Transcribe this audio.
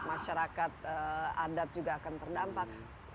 masyarakat adat juga akan terdampak